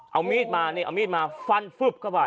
เอามีดมานี่เอามีดมาฟันฟึบเข้าไป